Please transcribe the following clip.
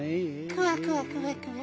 クワクワクワクワ。